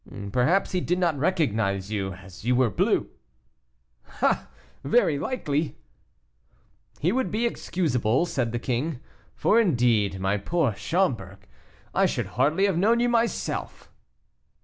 "Perhaps he did not recognize you, as you were blue." "Ah! very likely." "He would be excusable," said the king; "for, indeed, my poor Schomberg, I should hardly have known you myself."